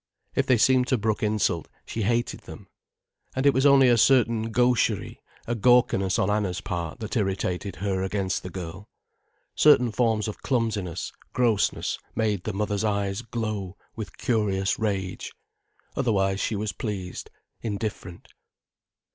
If they seemed to brook insult, she hated them. And it was only a certain gaucherie, a gawkiness on Anna's part that irritated her against the girl. Certain forms of clumsiness, grossness, made the mother's eyes glow with curious rage. Otherwise she was pleased, indifferent.